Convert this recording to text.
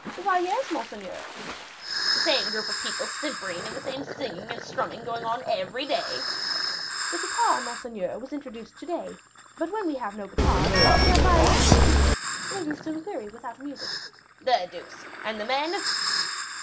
"Why, yes, monseigneur." "The same group of people simpering and the same singing and strumming going on every day?" "The guitar, monseigneur, was introduced to day; but when we have no guitars, we have violins and flutes; ladies soon weary without music." "The deuce! and the men?"